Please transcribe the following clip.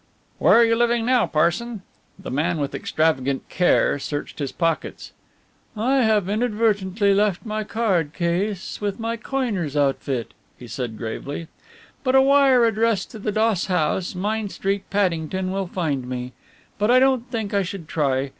"Where are you living now, Parson?" The man with extravagant care searched his pockets. "I have inadvertently left my card case with my coiner's outfit," he said gravely, "but a wire addressed to the Doss House, Mine Street, Paddington, will find me but I don't think I should try.